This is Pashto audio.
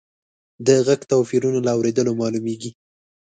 د غږ توپیرونه له اورېدلو معلومیږي.